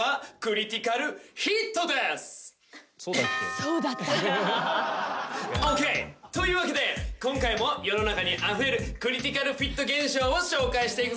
そうだった。ＯＫ！というわけで今回も世の中にあふれるクリティカルフィット現象を紹介していくぞ。